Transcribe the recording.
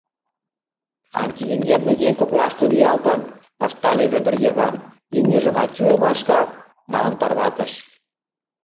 Антилегентный еҥ коклаште лиялтын! — ыштале Вӧдыр Йыван, имньыжым «атьу, Машка!» манын тарватыш.